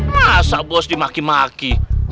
masa bos dimaki maki